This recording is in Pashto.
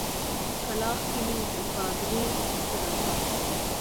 کلاخ کلي د گاگرې په سر اباد دی.